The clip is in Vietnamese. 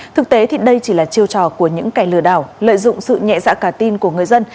thực tế thì đây chỉ là chiêu trò của những kẻ lừa đảo lợi dụng sự nhẹ dạ cả tin của người dân